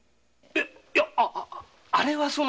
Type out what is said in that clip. いやあれはその。